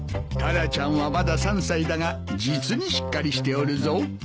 タラちゃんはまだ３歳だが実にしっかりしておるぞ。